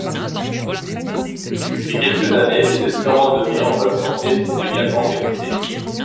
Depuis quelques années, des espérances de vie en bonne santé sont également calculées.